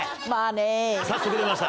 早速出ました